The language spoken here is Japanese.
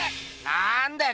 なぁんだよ！